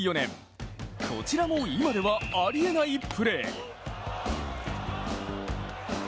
更には８４年、こちらも今ではありえないプレー。